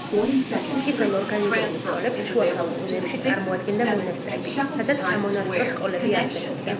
პირველ ორგანიზებულ სკოლებს შუა საუკუნეებში წარმოადგენდა მონასტრები, სადაც სამონასტრო სკოლები არსებობდა.